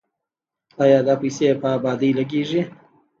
آیا دا پیسې په ابادۍ لګیږي؟